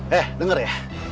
hei dengar ya